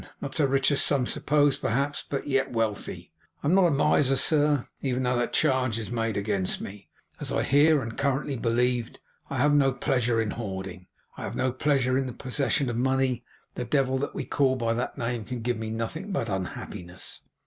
Not so rich as some suppose, perhaps, but yet wealthy. I am not a miser sir, though even that charge is made against me, as I hear, and currently believed. I have no pleasure in hoarding. I have no pleasure in the possession of money, The devil that we call by that name can give me nothing but unhappiness.